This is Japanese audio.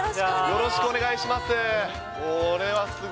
よろしくお願いします。